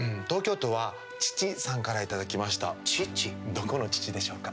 どこのちちでしょうか？